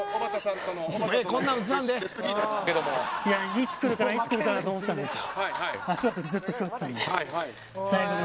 いつくるかな、いつくるかなと思ったんですよ。